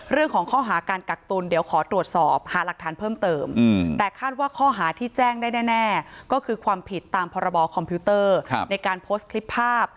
เรื่องของข้อหาการกักตุลเดี๋ยวขอตรวจสอบหาหลักฐานเพิ่มเติมแต่คาดว่าข้อหาที่แจ้งได้แน่ก็คือความผิดตามพรบคอมพิวเตอร์ในการโพสต์คลิปภาพ